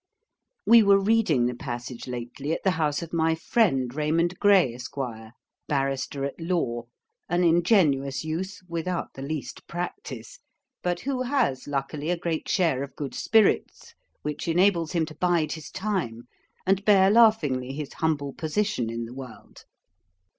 We were reading the passage lately at the house of my friend, Raymond Gray, Esquire, Barrister at Law, an ingenuous youth without the least practice, but who has luckily a great share of good spirits, which enables him to bide his time, and bear laughingly his humble position in the world.